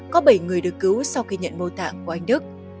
có bảy người được cứu sau khi nhận mô tạng của anh đức